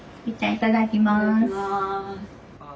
いただきます。